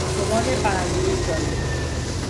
رمان برندهی جایزه